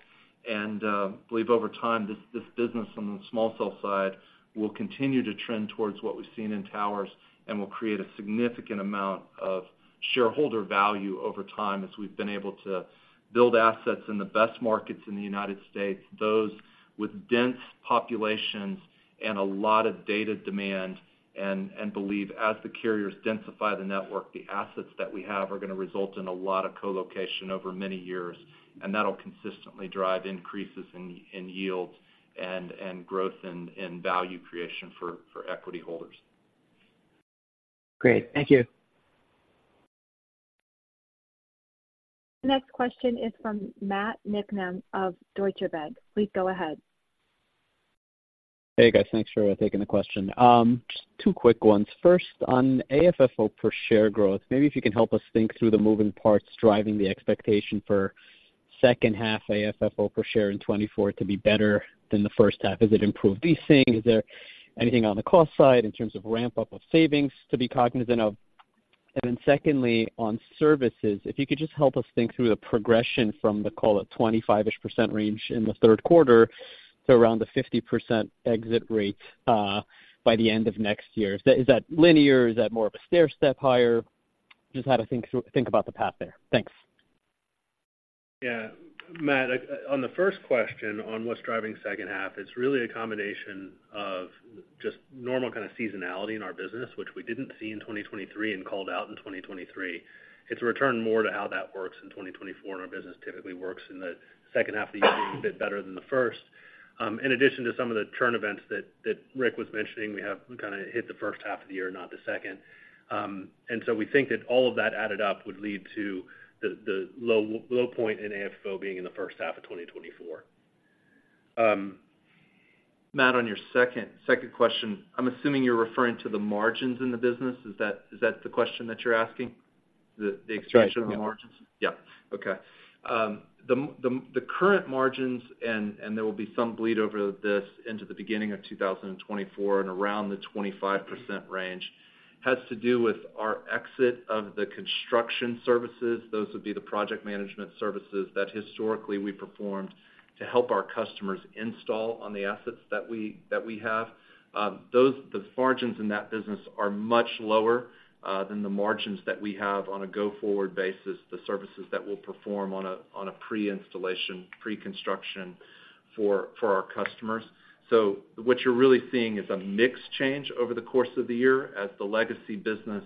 And believe over time, this business on the small cell side will continue to trend towards what we've seen in towers and will create a significant amount of shareholder value over time as we've been able to build assets in the best markets in the United States, those with dense populations and a lot of data demand. And believe as the carriers densify the network, the assets that we have are gonna result in a lot of colocation over many years, and that'll consistently drive increases in yields and growth in value creation for equity holders. Great. Thank you. The next question is from Matt Niknam of Deutsche Bank. Please go ahead. Hey, guys. Thanks for taking the question. Just two quick ones. First, on AFFO per share growth, maybe if you can help us think through the moving parts driving the expectation for second half AFFO per share in 2024 to be better than the first half. Is it improved leasing? Is there anything on the cost side in terms of ramp-up of savings to be cognizant of? And then secondly, on services, if you could just help us think through the progression from the, call it, 25-ish% range in the Q3 to around the 50% exit rate by the end of next year. Is that linear? Is that more of a stairstep higher? Just how to think about the path there. Thanks. Yeah, Matt, on the first question on what's driving second half, it's really a combination of-... just normal kind of seasonality in our business, which we didn't see in 2023 and called out in 2023. It's a return more to how that works in 2024, and our business typically works in the second half of the year, a bit better than the first. In addition to some of the churn events that Ric was mentioning, we have kind of hit the first half of the year, not the second. And so we think that all of that added up would lead to the low point in AFFO being in the first half of 2024. Matt, on your second question, I'm assuming you're referring to the margins in the business. Is that the question that you're asking, the expansion- That's right. - of the margins? Yeah. Okay. The current margins, and there will be some bleed over this into the beginning of 2024 and around the 25% range, has to do with our exit of the construction services. Those would be the project management services that historically we performed to help our customers install on the assets that we have. The margins in that business are much lower than the margins that we have on a go-forward basis, the services that we'll perform on a pre-installation, pre-construction for our customers. So what you're really seeing is a mix change over the course of the year as the legacy business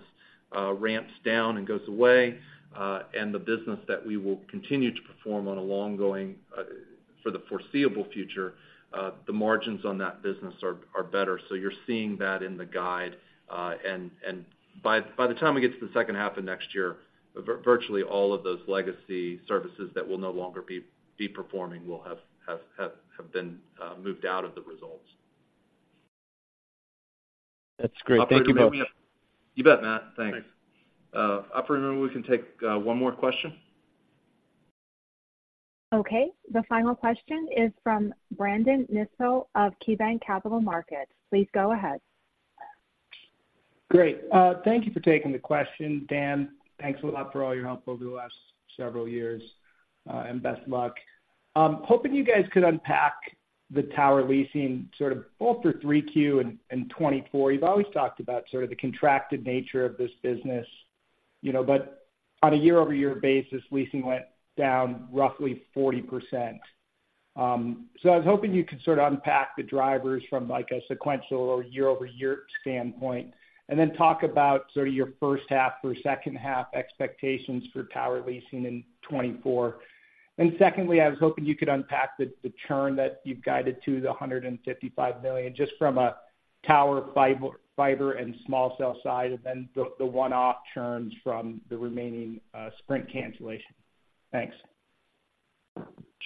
ramps down and goes away, and the business that we will continue to perform on a long going for the foreseeable future, the margins on that business are better. So you're seeing that in the guide, and by the time we get to the second half of next year, virtually all of those legacy services that will no longer be performing will have been moved out of the results. That's great. Thank you both. You bet, Matt. Thanks. Thanks. Operator, we can take one more question. Okay. The final question is from Brandon Nispel of KeyBanc Capital Markets. Please go ahead. Great. Thank you for taking the question, Dan. Thanks a lot for all your help over the last several years, and best luck. Hoping you guys could unpack the tower leasing sort of both for 3Q and 2024. You've always talked about sort of the contracted nature of this business, you know, but on a year-over-year basis, leasing went down roughly 40%. So I was hoping you could sort of unpack the drivers from, like, a sequential or year-over-year standpoint, and then talk about sort of your first half or second half expectations for tower leasing in 2024. And secondly, I was hoping you could unpack the churn that you've guided to the $155 million, just from a tower, fiber, fiber and small cell side, and then the one-off churns from the remaining Sprint cancellation. Thanks.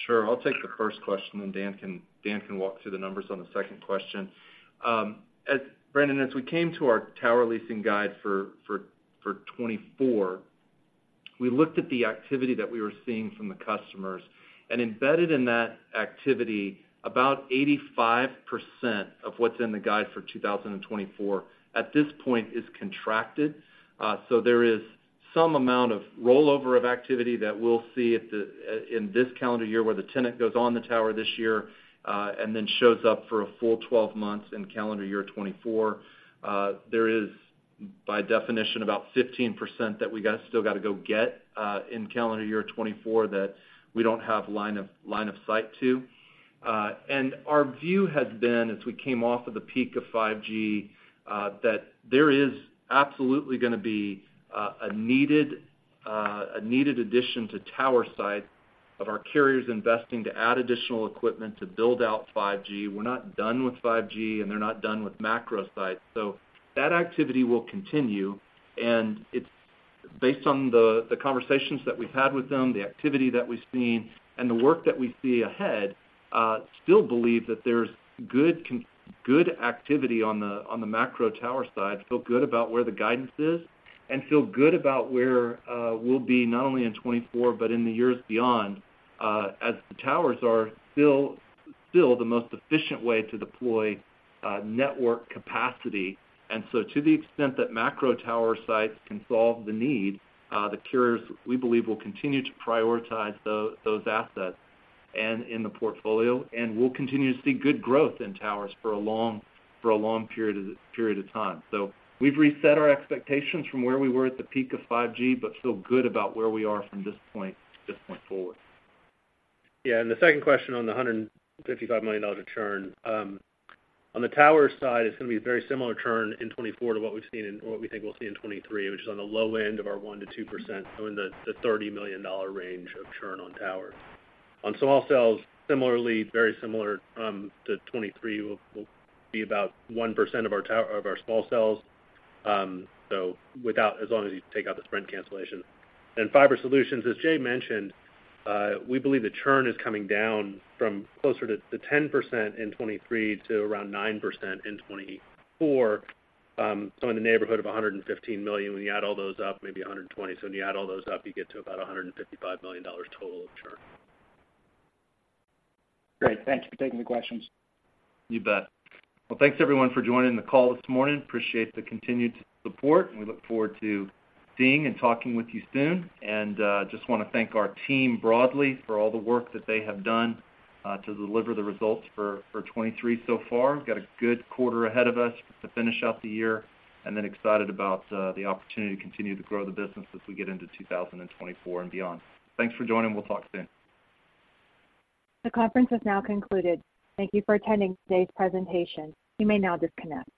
Sure. I'll take the first question, then Dan can walk through the numbers on the second question. Brandon, as we came to our tower leasing guide for 2024, we looked at the activity that we were seeing from the customers, and embedded in that activity, about 85% of what's in the guide for 2024, at this point, is contracted. So there is some amount of rollover of activity that we'll see in this calendar year, where the tenant goes on the tower this year, and then shows up for a full 12 months in calendar year 2024. There is, by definition, about 15% that we still gotta go get in calendar year 2024, that we don't have line of sight to. And our view has been, as we came off of the peak of 5G, that there is absolutely gonna be a needed, a needed addition to tower site of our carriers investing to add additional equipment to build out 5G. We're not done with 5G, and they're not done with macro sites, so that activity will continue, and it's based on the, the conversations that we've had with them, the activity that we've seen, and the work that we see ahead, still believe that there's good activity on the, on the macro tower side. Feel good about where the guidance is and feel good about where we'll be not only in 2024, but in the years beyond, as the towers are still, still the most efficient way to deploy network capacity. And so to the extent that macro tower sites can solve the need, the carriers, we believe, will continue to prioritize those assets and in the portfolio, and we'll continue to see good growth in towers for a long period of time. So we've reset our expectations from where we were at the peak of 5G, but feel good about where we are from this point forward. Yeah, and the second question on the $155 million of churn. On the tower side, it's gonna be a very similar churn in 2024 to what we've seen and what we think we'll see in 2023, which is on the low end of our 1%-2%, so in the $30 million range of churn on towers. On small cells, similarly, very similar to 2023, will be about 1% of our tower-- of our small cells, so without as long as you take out the Sprint cancellation. And Fiber Solutions, as Jay mentioned, we believe the churn is coming down from closer to the 10% in 2023 to around 9% in 2024, so in the neighborhood of $115 million. When you add all those up, maybe $120 million. When you add all those up, you get to about $155 million total of churn. Great. Thank you for taking the questions. You bet. Well, thanks everyone for joining the call this morning. Appreciate the continued support, and we look forward to seeing and talking with you soon. Just wanna thank our team broadly for all the work that they have done to deliver the results for 2023 so far. We've got a good quarter ahead of us to finish out the year, and then excited about the opportunity to continue to grow the business as we get into 2024 and beyond. Thanks for joining. We'll talk soon. The conference has now concluded. Thank you for attending today's presentation. You may now disconnect.